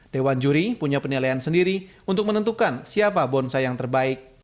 dewan juri punya penilaian sendiri untuk menentukan siapa bonsai yang terbaik